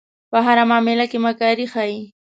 په هره معامله کې مکاري ښيي.